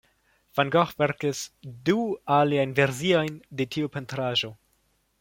Van Gogh verkis du aliajn versiojn de tiu pentraĵo.